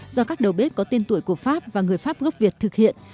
do các đầu bếp có tên tuổi của pháp và người pháp gốc việt thực hiện